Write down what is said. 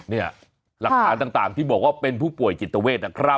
หลักฐานต่างที่บอกว่าเป็นผู้ป่วยจิตเวทนะครับ